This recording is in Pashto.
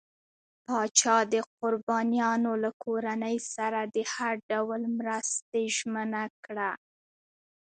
پاچا د قربانيانو له کورنۍ سره د هر ډول مرستې ژمنه کړه.